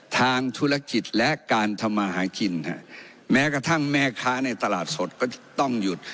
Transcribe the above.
ทางธุรกิจและการทำมาหากินฮะแม้กระทั่งแม่ค้าในตลาดสดก็จะต้องหยุด